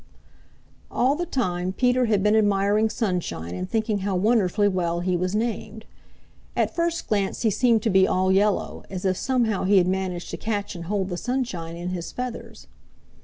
All the time Peter had been admiring Sunshine and thinking how wonderfully well he was named. At first glance he seemed to be all yellow, as if somehow he had managed to catch and hold the sunshine in his feathers.